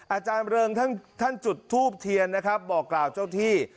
อาจารย์เริงท่านจุดทูบเทียนนะครับบอกกล่าวเจ้าที่